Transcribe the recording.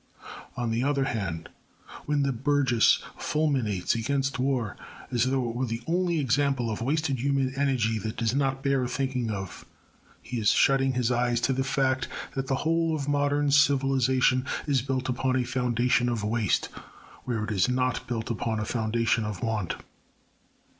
On the other hand, when the burgess fulminates against war as though it were the only example of wasted human energy that does not bear thinking of, he is shutting his eyes to the fact that the whole of modern civilisation is built upon a foundation of waste where it is not built upon a foundation of want.